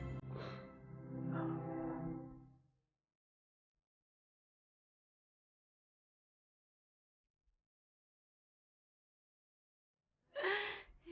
dua hari lagi